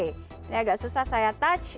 ini agak susah saya touch